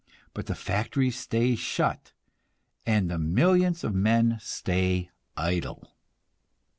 But the factories stay shut, and the millions of men stay idle.